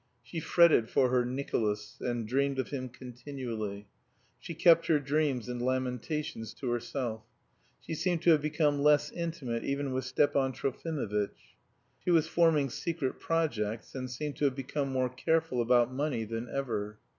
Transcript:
She fretted for her "Nicolas" and dreamed of him continually. She kept her dreams and lamentations to herself. She seemed to have become less intimate even with Stepan Trofimovitch. She was forming secret projects, and seemed to have become more careful about money than ever.